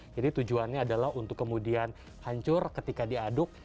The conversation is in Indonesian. jadi tujuannya adalah untuk kemudian hancur ketika diaduk